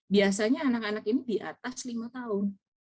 biasanya anak anak ini di atas lima tahun